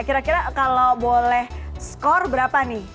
kira kira kalau boleh skor berapa nih